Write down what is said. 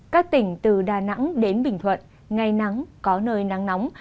các tỉnh từ đà nẵng đến bình thuận ngày nắng có nơi nắng nóng